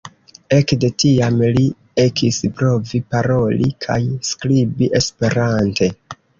Ekde tiam, Li ekis provi paroli kaj skribi esperante.